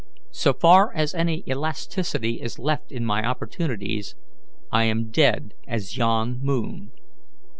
So far as any elasticity is left in my opportunities, I am dead as yon moon.